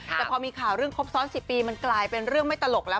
แต่พอมีข่าวเรื่องครบซ้อน๑๐ปีมันกลายเป็นเรื่องไม่ตลกแล้ว